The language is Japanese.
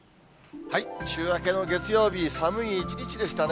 週明けの月曜日、寒い一日でしたね。